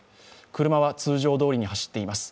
車は通常どおりに走っています。